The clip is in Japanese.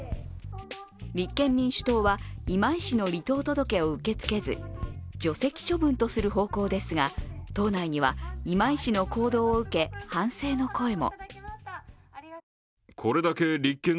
立憲民主党は今井氏の離党届を受け付けず、除籍処分とする方向ですが党内には今井氏の行動を受け反省の声も。